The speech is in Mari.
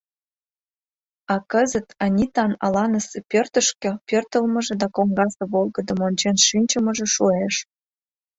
А кызыт Анитан аланысе пӧртышкӧ пӧртылмыжӧ да коҥгасе волгыдым ончен шинчымыже шуэш.